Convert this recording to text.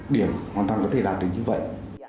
điểm hoàn toàn có thể đạt được như vậy